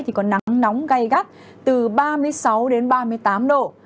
thì có nắng nóng gai gắt từ ba mươi sáu đến ba mươi tám độ